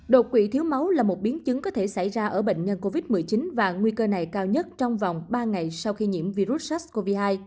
đột quỵ thiếu máu là một biến chứng có thể xảy ra ở bệnh nhân covid một mươi chín và nguy cơ này cao nhất trong vòng ba ngày sau khi nhiễm virus sars cov hai